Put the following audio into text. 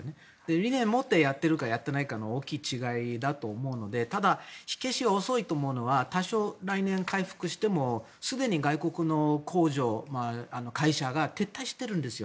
理念を持ってやっているかやっていないかの大きな違いだと思うのでただ火消しが遅いと思うのは多少来年、回復してもすでに外国の工場、会社が撤退しているんですよ。